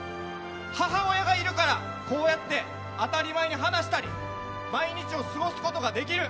母親がいるからこうやって当たり前に話したり毎日を過ごすことができる。